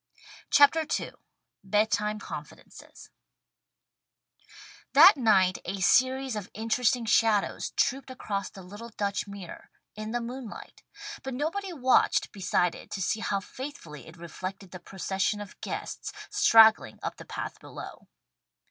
'" CHAPTER II BED TIME CONFIDENCES THAT night a series of interesting shadows trooped across the little Dutch mirror, in the moonlight, but nobody watched beside it to see how faithfully it reflected the procession of guests, straggling up the path below.